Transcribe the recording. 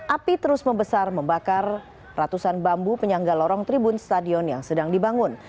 api terus membesar membakar ratusan bambu penyangga lorong tribun stadion yang sedang dibangun